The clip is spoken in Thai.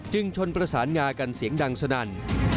ชนประสานงากันเสียงดังสนั่น